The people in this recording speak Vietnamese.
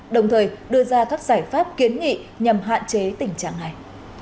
đồng thời đưa ra các giải pháp kiến nghị nhằm hạn chế tình trạng này